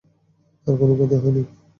তার কোন ক্ষতি হয় নি।